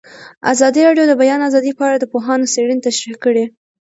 ازادي راډیو د د بیان آزادي په اړه د پوهانو څېړنې تشریح کړې.